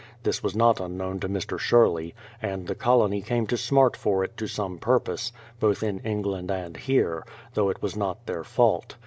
This was not unknown to Mr. Sherley; and the colony came to smart for it to some purpose, both in England and here, though it was not their fault.